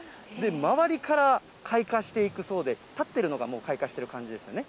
周りから開花していくそうで、立っているのがもう開花している感じですね。